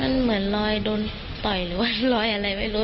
มันเหมือนรอยโดนต่อยหรือว่ารอยอะไรไม่รู้